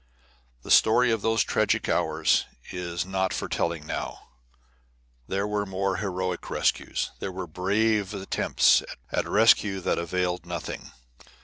The story of those tragic hours is not for telling now. There were more heroic rescues. There were brave attempts at rescue that availed nothing.